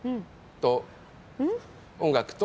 音楽と。